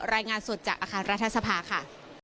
รายงานสดจากอาคารรัฐสภาค่ะ